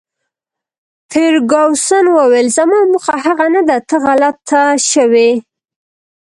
فرګوسن وویل: زما موخه هغه نه ده، ته غلطه شوې.